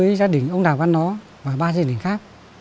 đối với gia đình ông đào văn nó và ba gia đình khác